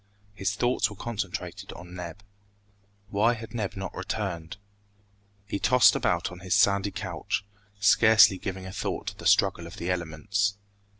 His thoughts were concentrated on Neb. Why had Neb not returned? He tossed about on his sandy couch, scarcely giving a thought to the struggle of the elements.